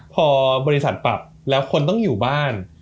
พอบริษัทปรับแล้วคนต้องอยู่บ้าน